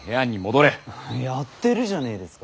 やってるじゃねえですか。